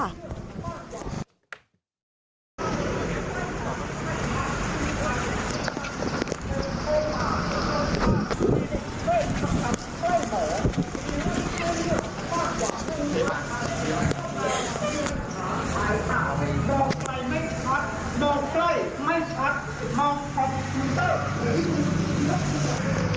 โดนอะไรไม่ชัดโดนใกล้ไม่ชัดมองคอมพิวเตอร์